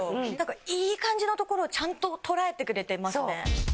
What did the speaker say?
何かいい感じの所をちゃんと捉えてくれてますね。